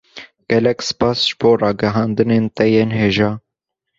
Gelek spas ji bo ragihandinên te yên hêja